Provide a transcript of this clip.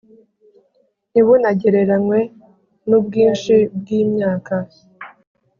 ntibunagereranywe n’ubwinshi bw’imyaka;